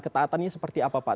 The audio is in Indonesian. ketaatannya seperti apa pak